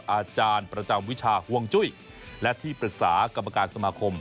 อาจารย์ประจำวิชาห่วงจุ้ยและที่ปรึกษากรรมการสมาคม